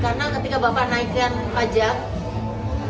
karena ketika bapak naikkan pajak banyak orang orang yang tidak bekerja lagi